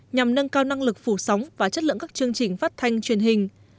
nhằm nâng cao năng lực phủ sóng và chất lượng các chương trình phát thanh truyền hình